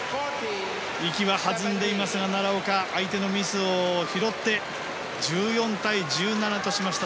息は弾んでいますが、奈良岡相手のミスを拾って１４対１７としました。